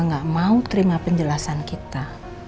nggak mau terima penjelasan kita